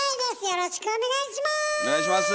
よろしくお願いします！